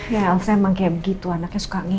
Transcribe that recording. ya elsa emang kayak begitu anaknya suka